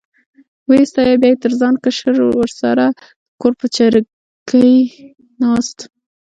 وې ستایه، بیا یې تر ځانه کشر ورسره د کور په چرګۍ ناست.